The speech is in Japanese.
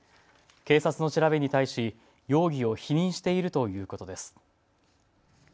警察の調べに対し容疑を否認しているということです。